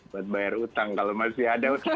buat bayar utang kalau masih ada